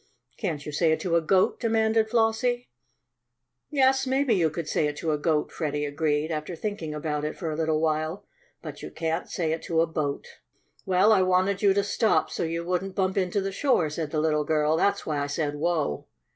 "Can't you say it to a goat?" demanded Flossie. "Yes, maybe you could say it to a goat," Freddie agreed, after thinking about it for a little while. "But you can't say it to a boat." "Well, I wanted you to stop, so you wouldn't bump into the shore," said the little girl. "That's why I said 'whoa.'"